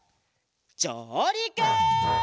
じょうりく！